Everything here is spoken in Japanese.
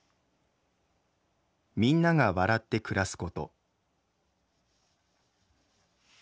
「みんなが笑って暮らすこと。